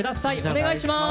お願いします！